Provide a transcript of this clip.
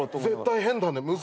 絶対変だね。